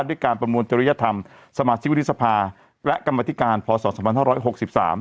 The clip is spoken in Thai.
ด้วยการประมวลจริยธรรมสมาชิกวิทธิษภาและกรรมพิจารณาพศ๓๖๓